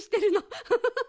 フフフフフ！